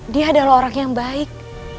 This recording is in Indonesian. dia adalah orang yang baik